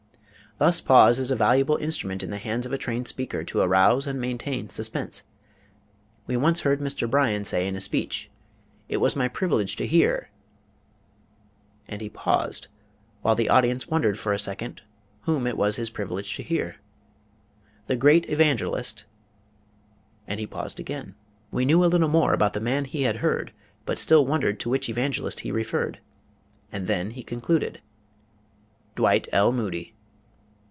Thus pause is a valuable instrument in the hands of a trained speaker to arouse and maintain suspense. We once heard Mr. Bryan say in a speech: "It was my privilege to hear" and he paused, while the audience wondered for a second whom it was his privilege to hear "the great evangelist" and he paused again; we knew a little more about the man he had heard, but still wondered to which evangelist he referred; and then he concluded: "Dwight L. Moody."